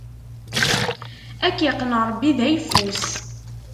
Ad k-iqqen Ṛebbi d ayeffus!